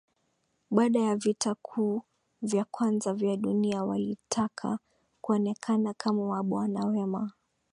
Baada ya Vita Kuu ya Kwanza ya dunia walitaka kuonekana kama mabwana wema